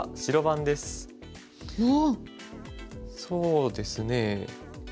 そうですね。